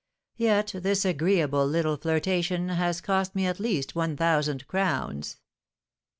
Yet this agreeable little flirtation has cost me at least one thousand crowns.